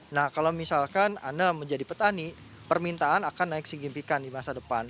nah kalau misalkan anda menjadi petani permintaan akan naik signifikan di masa depan